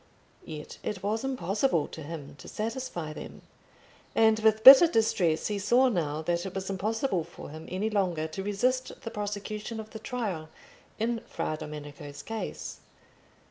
Yet it was impossible to him to satisfy them; and with bitter distress he saw now that it was impossible for him any longer to resist the prosecution of the trial in Fra Domenico's case.